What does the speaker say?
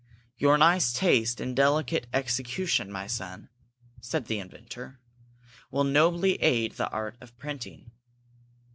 "Your nice taste and delicate execution, my son," said the inventor, "will nobly aid the art of printing.